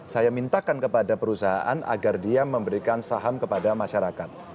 saya mintakan kepada perusahaan agar dia memberikan saham kepada masyarakat